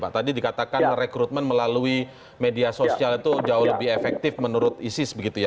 tadi dikatakan rekrutmen melalui media sosial itu jauh lebih efektif menurut isis begitu ya